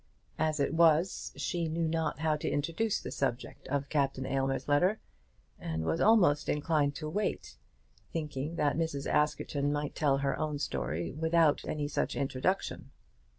As it was, she knew not how to introduce the subject of Captain Aylmer's letter, and was almost inclined to wait, thinking that Mrs. Askerton might tell her own story without any such introduction.